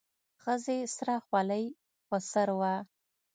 ښځې سره خولۍ په سر وه.